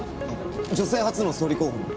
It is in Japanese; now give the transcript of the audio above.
女性初の総理候補の。